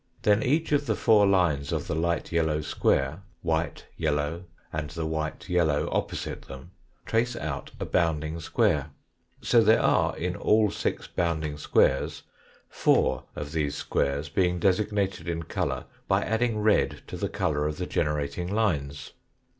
Then each of the four lines of the light yellow square white, yellow, and the white, yellow opposite them trace out a bounding square. So there are in all six bounding squares, four of these squares being designated in colour by adding red to the colour of the generating lines.